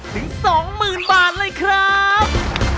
ถึง๒๐๐๐บาทเลยครับ